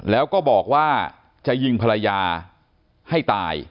แล้วก็บอกว่าจะยิงภรรยาให้ตาย